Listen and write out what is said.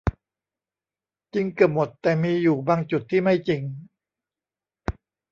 จริงเกือบหมดแต่มีอยู่บางจุดที่ไม่จริง